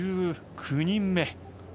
１９人目。